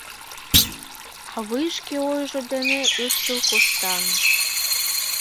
Авый шке ойжо дене ыштыл коштан.